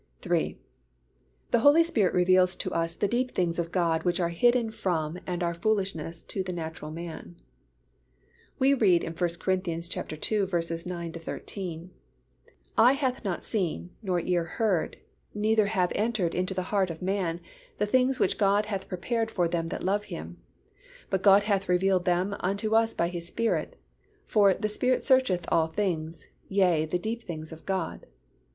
III. The Holy Spirit reveals to us the deep things of God which are hidden from and are foolishness to the natural man. We read in 1 Cor. ii. 9 13, "Eye hath not seen, nor ear heard, neither have entered into the heart of man, the things which God hath prepared for them that love Him. But God hath revealed them unto us by His Spirit: for the Spirit searcheth all things, yea, the deep things of God.